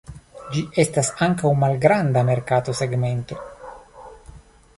Ĝi estas ankaŭ malgranda merkato segmento.